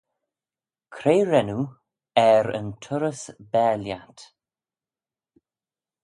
Cre ren oo er yn turrys bare lhiat?